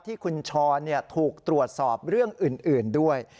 ที่คุณช้อนถูกตรวจสอบเรื่องอื่นด้วย